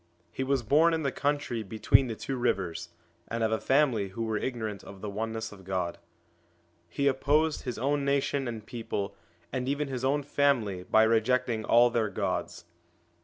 He was born in the country between the two rivers, 1 and of a family who were ignorant of the Oneness of God. He opposed his own nation and people, and even his own family, by rejecting all their gods.